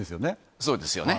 そうですよね。